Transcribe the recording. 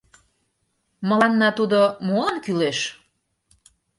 — Мыланна тудо молан кӱлеш?...